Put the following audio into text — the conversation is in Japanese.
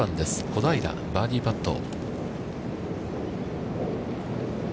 小平、バーディーパット。